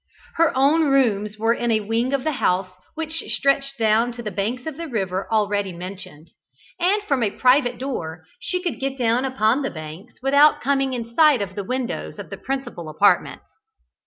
Her own rooms were in a wing of the house which stretched down to the banks of the river already mentioned, and from a private door she could get down upon the banks without coming in sight of the windows of the principal apartments.